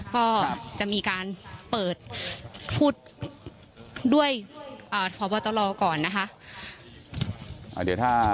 ก็จะมีการเปิดโผ่ดด้วยอ่าพบตรก่อนนะคะอ่าเดี๋ยวถ้า